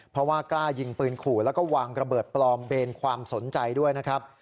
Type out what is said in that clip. เพราะว่ากล้ายิงปืนขู่แล้วก็วางระเบิดปลอมเบนความสนใจด้วยนะครับ